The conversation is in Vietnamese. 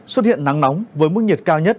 xuất hiện nắng nóng với mức nhiệt cao nhất